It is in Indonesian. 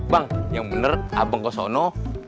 bang yang benar abang ke sana